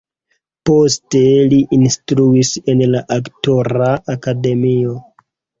Poste li instruis en la aktora akademio.